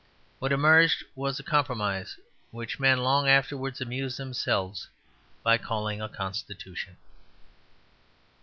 What emerged was a compromise, which men long afterwards amused themselves by calling a constitution.